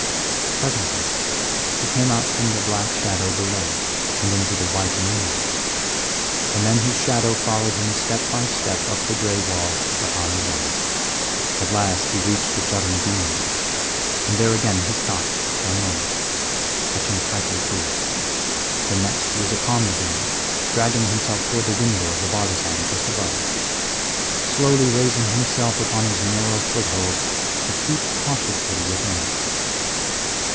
Presently he came out from the black shadow below and into the white moonlight, and then his shadow followed him step by step up the gray wall upon his way. At last he reached the jutting beam, and there again he stopped for a moment clutching tightly to it. The next he was upon the beam, dragging himself toward the window of the bartizan just above. Slowly raising himself upon his narrow foothold he peeped cautiously within.